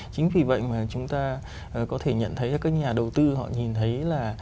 chính vì vậy mà chúng ta có thể nhận thấy các nhà đầu tư họ nhìn thấy là